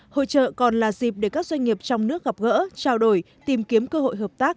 hội trợ còn là dịp để các doanh nghiệp trong nước gặp gỡ trao đổi tìm kiếm cơ hội hợp tác